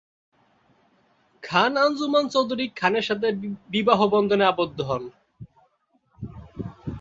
খান আঞ্জুমান চৌধুরী খানের সাথে বিবাহবন্ধনে আবদ্ধ হন।